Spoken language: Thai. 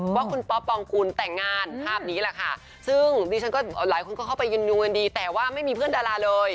ว่าคุณป๊อปปองคุณแต่งงานภาพนี้แหละค่ะซึ่งดิฉันก็หลายคนก็เข้าไปยืนดูกันดีแต่ว่าไม่มีเพื่อนดาราเลย